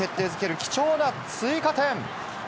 貴重な追加点。